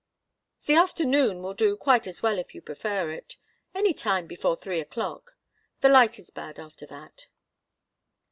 "The afternoon will do quite as well, if you prefer it. Any time before three o'clock. The light is bad after that."